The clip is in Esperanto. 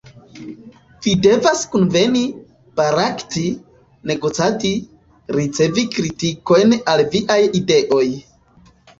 Vi devas kunveni, barakti, negocadi, ricevi kritikojn al viaj ideoj.